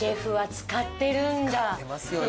使ってますよね。